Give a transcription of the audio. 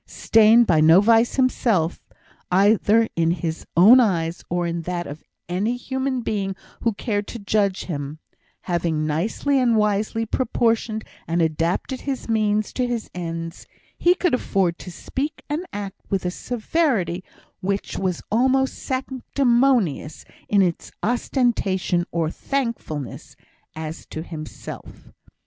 Stained by no vice himself, either in his own eyes or in that of any human being who cared to judge him, having nicely and wisely proportioned and adapted his means to his ends, he could afford to speak and act with a severity which was almost sanctimonious in its ostentation of thankfulness as to himself.